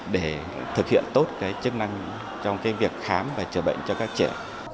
để thực hiện tốt cái chức năng trong cái việc khám và chữa bệnh cho các trẻ